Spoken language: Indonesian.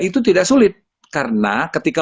itu tidak sulit karena ketika